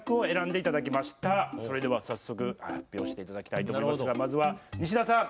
それでは早速発表していただきたいと思いますがまずは西田さん